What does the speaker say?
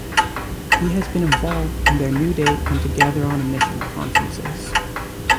He has been involved in their Newday and Together on a Mission conferences.